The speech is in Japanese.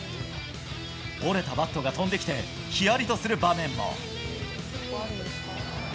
折れたバットが飛んできてひやりとする場面も。